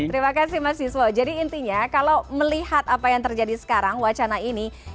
terima kasih mas yuswo jadi intinya kalau melihat apa yang terjadi sekarang wacana ini